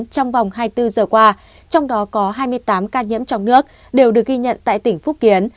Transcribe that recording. trong vòng hai mươi bốn giờ qua trong đó có hai mươi tám ca nhiễm trong nước đều được ghi nhận tại tỉnh phúc kiến